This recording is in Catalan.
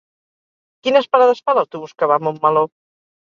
Quines parades fa l'autobús que va a Montmeló?